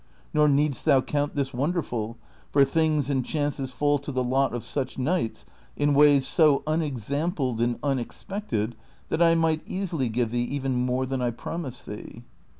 Nor needst thou count this wonderfrd, for things and chances fall to the lot of such knights in ways so unexamjded and unexpected that I might easily give thee even more than I promise thee."